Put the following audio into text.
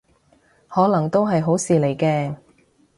可能都係好事嚟嘅